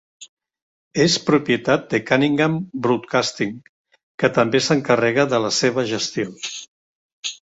És propietat de Cunningham Broadcasting que també s'encarrega de la seva gestió.